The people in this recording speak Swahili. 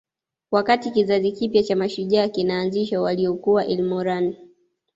Wakati kizazi kipya cha mashujaa kinaanzishwa waliokuwa Ilmoran